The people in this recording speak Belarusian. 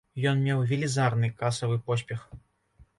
Ён меў велізарны касавы поспех.